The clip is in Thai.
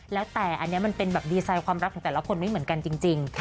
แล้วแต่อันนี้มันเป็นแบบดีไซน์ความรักของแต่ละคนไม่เหมือนกันจริง